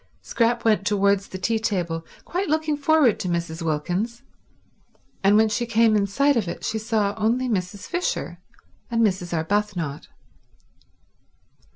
Scrap went towards the tea table quite looking forward to Mrs. Wilkins; and when she came in sight of it she saw only Mrs. Fisher and Mrs. Arbuthnot.